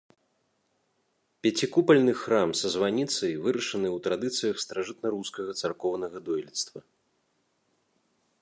Пяцікупальны храм са званіцай вырашаны ў традыцыях старажытнарускага царкоўнага дойлідства.